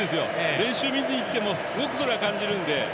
練習を見に行ってもすごくそれは感じるので。